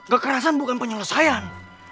gak kerasan bukan penyelesaian